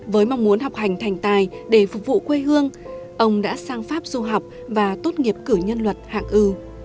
với mong muốn học hành thành tài để phục vụ quê hương ông đã sang pháp du học và tốt nghiệp cử nhân luật hạng u